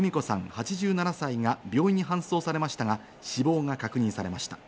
８７歳が病院に搬送されましたが、死亡が確認されました。